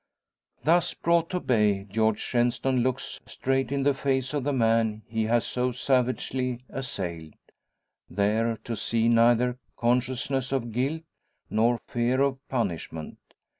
Thus brought to bay, George Shenstone looks straight in the face of the man he has so savagely assailed; there to see neither consciousness of guilt, nor fear of punishment.